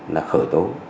là khởi tố